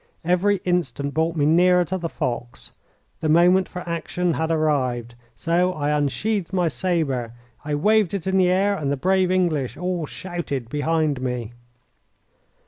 Every instant brought me nearer to the fox. The moment for action had arrived, so I unsheathed my sabre. I waved it in the air, and the brave English all shouted behind me.